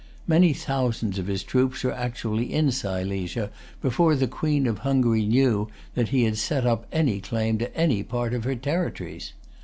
Many thousands of his troops were actually in Silesia before the Queen of Hungary knew that he had set up any claim to any part of her territories.